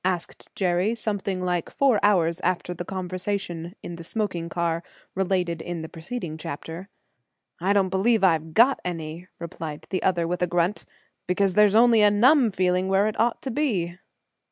asked Jerry, something like four hours after the conversation in the smoking car related in the preceding chapter. "Don't believe I've got any," replied the other, with a grunt, "because there's only a numb feeling where it ought to be."